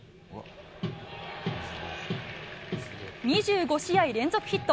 ２５試合連続ヒット。